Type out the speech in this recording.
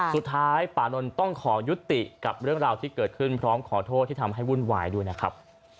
สุดท้ายปานนท์ต้องขอยุติกับเรื่องราวที่เกิดขึ้นพร้อมขอโทษที่ทำให้วุ่นวายด้วยนะครับ